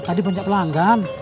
tadi banyak pelanggan